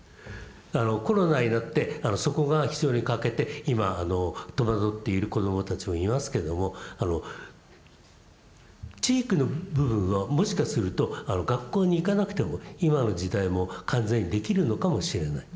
あのコロナになってそこが必要に欠けて今戸惑っている子どもたちもいますけども知育の部分はもしかすると学校に行かなくても今の時代も完全にできるのかもしれない。